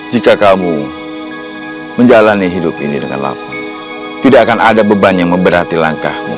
jika kamu menjalani hidup ini dengan lapan tidak akan ada beban yang memberati langkahmu